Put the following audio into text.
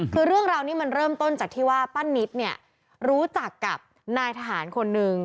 คือเรื่องราวนี้มันเริ่มต้นจากที่ว่าป้านิตเนี่ยรู้จักกับนายทหารคนนึง